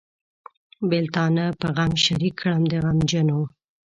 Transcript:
بېلتانه په غم شریک کړم د غمجنو.